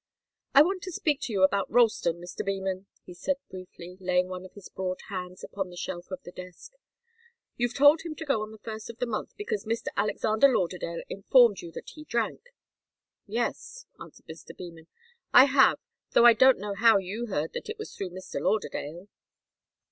"I want to speak to you about Ralston, Mr. Beman," he said, briefly, laying one of his broad hands upon the shelf of the desk. "You've told him to go on the first of the month, because Mr. Alexander Lauderdale informed you that he drank." "Yes," answered Mr. Beman, "I have, though I don't know how you heard that it was through Mr. Lauderdale."